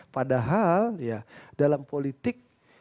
padahal ya dalam politik